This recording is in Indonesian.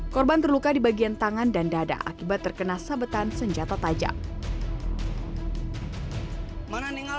korban terluka di bagian tangan dan dada akibat terkena sabetan senjata tajam